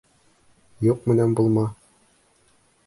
Юҡ менән булма.